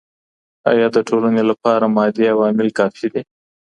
ایا د ټولني لپاره مادي عوامل کافي دي؟